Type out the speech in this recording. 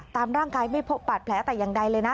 ตามร่างกายไม่พบบาดแผลแต่อย่างใดเลยนะ